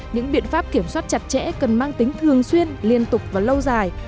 những biện pháp kiểm soát chặt chẽ cần mang tính thường xuyên liên tục và lâu dài